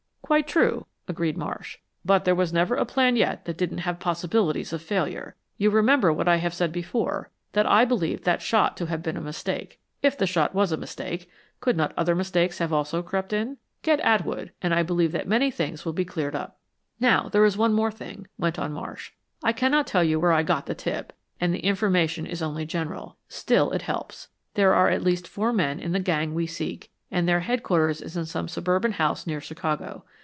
"Quite true," agreed Marsh, "but there was never a plan yet that didn't have possibilities of failure. You remember what I have said before; that I believed that shot to have been a mistake. If the shot was a mistake, could not other mistakes have also crept in? Get Atwood and I believe that many things will be cleared up." "Now there is one thing more," went on Marsh. "I cannot tell you where I got the tip, and the information is only general. Still it helps. There are at least four men in the gang we seek, and their headquarters is in some suburban house near Chicago.